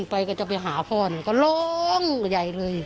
ไปก็จะไปหองวงไหว